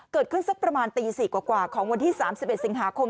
สักประมาณตี๔กว่าของวันที่๓๑สิงหาคม